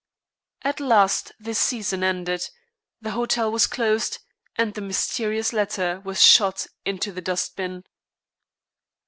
At last the season ended, the hotel was closed, and the mysterious letter was shot into the dustbin.